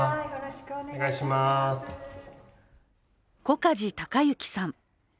小梶貴行さん。